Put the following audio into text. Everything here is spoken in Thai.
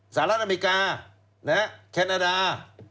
สหรัฐอเมริกาแคนาดา